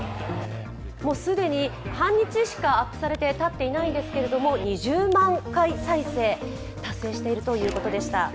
もう既に半日しかアップされてたっていないんですが、２０万回再生を達成しているということでした。